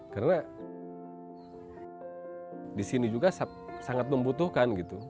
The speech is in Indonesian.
karena di sini juga sangat membutuhkan